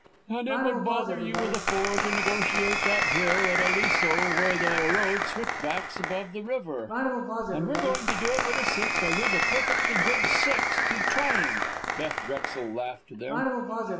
"And it would bother you with a Four to negotiate that hill at Aliso where the road switchbacks above the river." "And we're going to do it with a Six or lose a perfectly good Six in trying," Beth Drexel laughed to them.